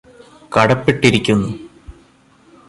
കടപ്പെട്ടിരിക്കുന്നു